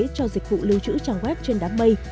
cho dịch vụ lưu trữ trang web trên đám mây